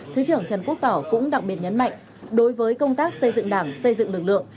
thứ trưởng trần quốc tỏ cũng đặc biệt nhấn mạnh đối với công tác xây dựng đảng xây dựng lực lượng